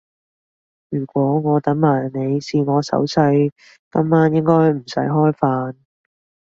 如果我等埋你試我手勢，今晚應該唔使開飯